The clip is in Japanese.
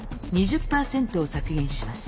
２０％を削減します。